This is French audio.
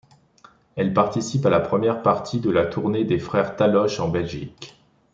Elle participe à la première partie de la tournée des Frères Taloche en Belgique.